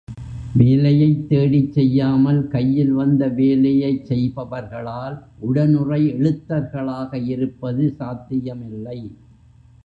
வேலையைத் தேடிச் செய்யாமல் கையில் வந்த வேலையைச் செய்பவர்களால் உடனுறை எழுத்தர்களாக இருப்பது சாத்தியமில்லை.